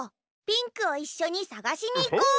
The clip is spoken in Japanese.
ピンクをいっしょにさがしにいこう！